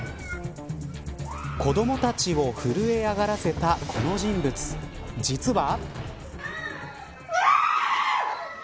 子どもたちを震え上がらせたこの人物実は。